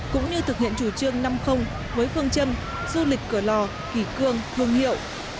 cũng như thực hiện chủ trương năm với phương châm du lịch cửa lò kỳ cương vùng hiệu